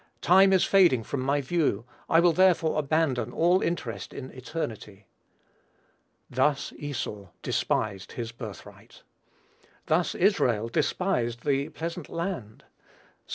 Time is fading from my view, I will therefore abandon all interest in eternity! "Thus Esau despised his birthright." Thus Israel despised the pleasant land; (Ps.